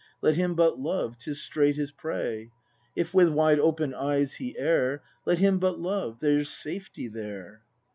Let him but love, — 'tis straight his prey; If with wide open eyes he err, Let him but love ,— there's safety there